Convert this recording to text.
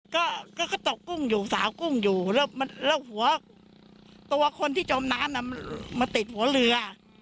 ก็ตกกุ้งอยู่สาวกุ้งอยู่แล้วหัวตัวคนที่จมน้ำมาติดหัวเรือ